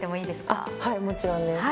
はいもちろんです。